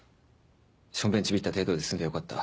ションベンちびった程度で済んでよかった。